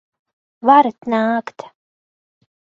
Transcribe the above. Varat nākt!